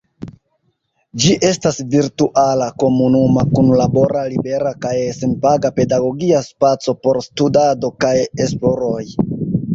Ĝi estas virtuala komunuma kunlabora libera kaj senpaga pedagogia spaco por studado kaj esploroj.